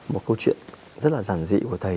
một câu chuyện rất là giản dị của thầy